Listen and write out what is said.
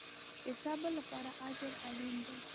د صبر لپاره اجر اړین دی